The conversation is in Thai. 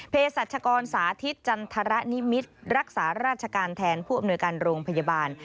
สัชกรสาธิตจันทรนิมิตรรักษาราชการแทนผู้อำนวยการโรงพยาบาล